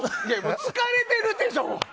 疲れてるでしょ！